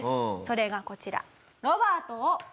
それがこちら。